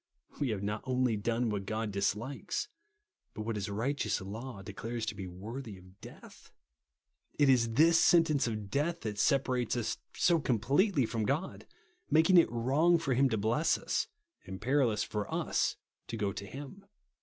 We have not only done what God dislikes, but what his righteous law declares to be worthy of death. It is this sentence of death that separates us so completely from God, mak aig it wrong for him to bless us, and peril ous for us to go to him.